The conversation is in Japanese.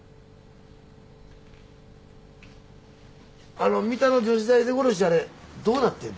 あの三田の女子大生殺しどうなってんのや？